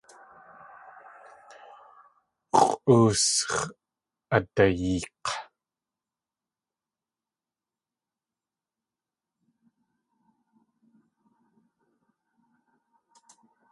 X̲ʼoosx̲ adayeek̲.